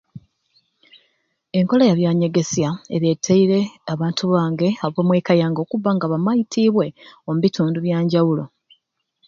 Enkola ya byanyegeesya ereteire abantu bange aba mwekka yange okubba nga bamaitiibwe omu bitundu ebyanjawulo.